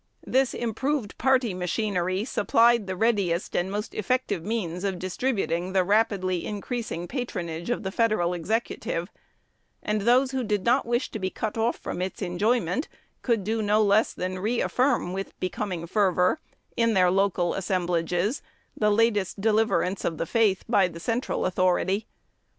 This improved party machinery supplied the readiest and most effective means of distributing the rapidly increasing patronage of the Federal Executive; and those who did not wish to be cut off from its enjoyment could do no less than re affirm with becoming fervor, in their local assemblages, the latest deliverance of the faith by the central authority.